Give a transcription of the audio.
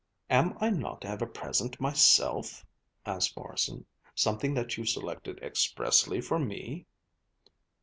"Am I not to have a present myself?" asked Morrison. "Something that you selected expressly for me?"